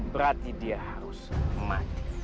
berarti dia harus mati